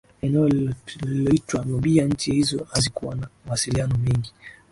eneo lililoitwa Nubia Nchi hizo hazikuwa na mawasiliano mengi